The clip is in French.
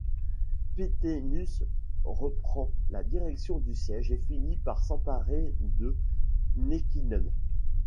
Paetinus reprend la direction du siège et finit par s'emparer de Nequinum.